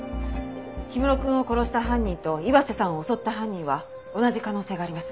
氷室くんを殺した犯人と岩瀬さんを襲った犯人は同じ可能性があります。